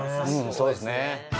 そうですね。